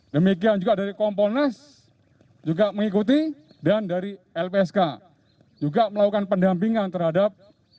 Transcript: demikian juga dari kompolnas juga mengikuti dan dari lpsk juga melakukan pendampingan terhadap